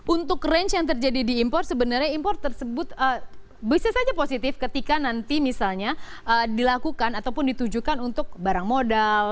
untuk range yang terjadi di impor sebenarnya impor tersebut bisa saja positif ketika nanti misalnya dilakukan ataupun ditujukan untuk barang modal